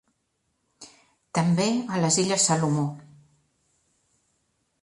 També a les illes Salomó.